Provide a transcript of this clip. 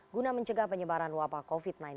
guna mencegah penyebaran wabah covid sembilan belas